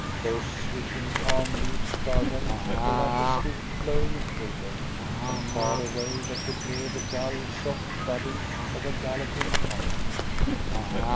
Those swishing palm leaves above them were like a swift flowing river, and far away they could hear the dull, soft thudding of a galloping camel.